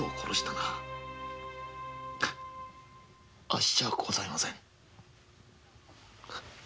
あっしではございません。